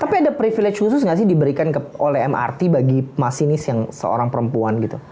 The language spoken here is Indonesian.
tapi ada privilege khusus nggak sih diberikan oleh mrt bagi masinis yang seorang perempuan gitu